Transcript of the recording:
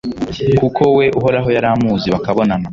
kuko we uhoraho yari amuzi, bakabonana